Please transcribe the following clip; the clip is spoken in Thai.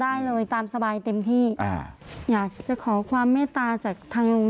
แล้วก็ย้ำว่าจะเดินหน้าเรียกร้องความยุติธรรมให้ถึงที่สุด